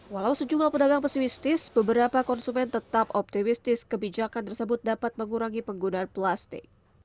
walau sejumlah pedagang pesimistis beberapa konsumen tetap optimistis kebijakan tersebut dapat mengurangi penggunaan plastik